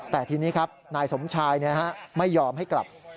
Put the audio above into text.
แต่ทีนี้ครับนายสมชายไม่ยอมให้กลับ